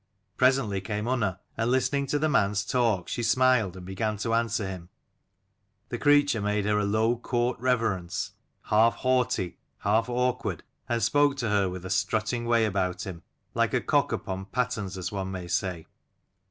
Presently came Unna; and listening to the man's talk, she smiled, and began to answer him. The creature made her a low court reverence, half haughty, half awkward, and spoke to her with a strutting way about him, like a cock upon pattens, as one may say.